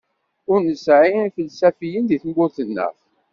Ur nesɛi ifelsafiyen deg tmurt-nneɣ.